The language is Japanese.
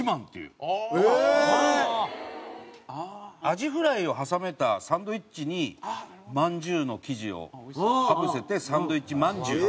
アジフライを挟めたサンドウィッチにまんじゅうの生地をかぶせてサンドウィッチまんじゅう。